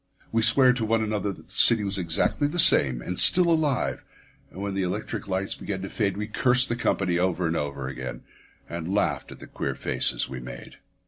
We sware to one another that the city was exactly the same, and still alive; and when the electric lights began to fade we cursed the company over and over again, and laughed at the queer faces we made.